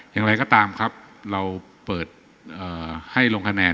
อย่างไรก็ตามครับเราเปิดให้ลงคะแนน